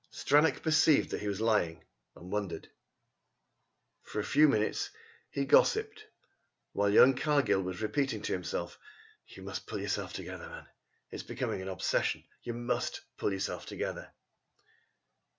Stranack perceived that he was lying, and wondered. For a few minutes he gossiped, while young Cargill was repeating to himself: "You must pull yourself together. It's becoming an obsession. You must pull yourself together."